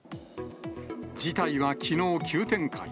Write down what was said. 事態はきのう急展開。